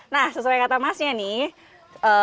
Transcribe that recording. nah sesuai kata masnya nih